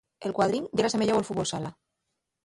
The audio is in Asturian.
El cuadrín yera asemeyáu al fútbol sala.